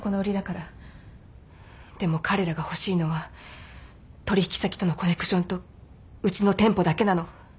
でも彼らが欲しいのは取引先とのコネクションとうちの店舗だけなの。